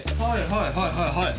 はいはいはいはい。